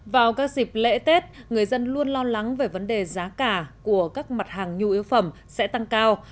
vào các dịp lễ tết người dân luôn lo lắng về vấn đề giá cả của các mặt hàng nhu yếu phẩm sẽ tăng cao